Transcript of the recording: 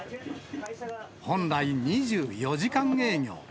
本来、２４時間営業。